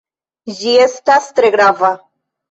Ĝi estas tre grava.